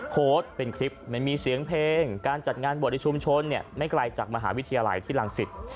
โพสต์เป็นคลิปไม่มีเสียงเพลงการจัดงานบวชในชุมชนไม่ไกลจากมหาวิทยาลัยที่รังสิต